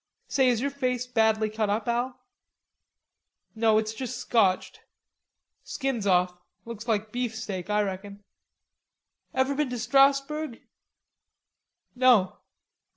"Say, is your face badly cut up, Al?" "No, it's just scotched, skin's off; looks like beefsteak, I reckon.... Ever been to Strasburg?" "No."